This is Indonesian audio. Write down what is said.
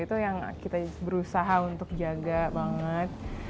itu yang kita berusaha untuk jaga banget